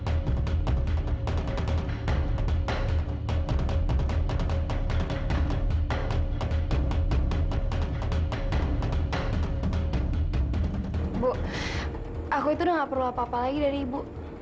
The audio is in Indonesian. ibu aku itu udah gak perlu apa apa lagi dari ibu